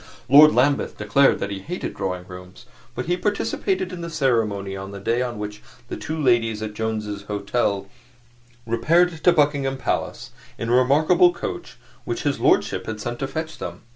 Lord Lambeth declared that he hated Drawing Rooms, but he participated in the ceremony on the day on which the two ladies at Jones's Hotel repaired to Buckingham Palace in a remarkable coach which his lordship had sent to fetch them.